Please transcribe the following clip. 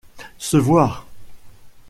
Se voir.